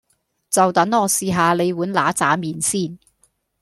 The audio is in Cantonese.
就等我試吓你碗嗱喳麵先